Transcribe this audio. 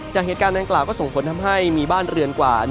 จากเหตุการณ์ดังกล่าวก็ส่งผลทำให้มีบ้านเรือนกว่า